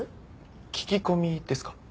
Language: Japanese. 聞き込みですか？